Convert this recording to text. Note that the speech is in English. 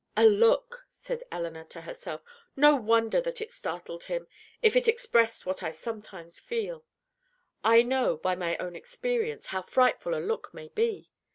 "A look!" said Elinor to herself. "No wonder that it startled him, if it expressed what I sometimes feel. I know, by my own experience, how frightful a look may be.